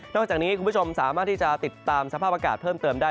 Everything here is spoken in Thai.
จากนี้คุณผู้ชมสามารถที่จะติดตามสภาพอากาศเพิ่มเติมได้